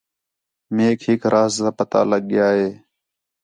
میک ہِک راز پتہ لڳ ڳیا ہِے